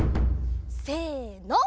せの。